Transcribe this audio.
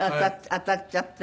当たっちゃって？